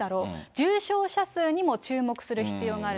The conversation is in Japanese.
重症者数にも注目する必要があると。